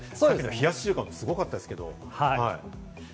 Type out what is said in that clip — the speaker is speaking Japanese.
冷やし中華もすごかったですけど。